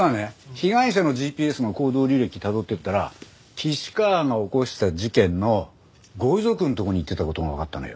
被害者のＧＰＳの行動履歴たどっていったら岸川が起こした事件のご遺族のとこに行ってた事がわかったのよ。